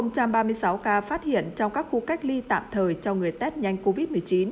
một mươi bảy ba mươi sáu ca phát hiện trong các khu cách ly tạm thời cho người test nhanh covid một mươi chín